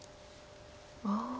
ああ。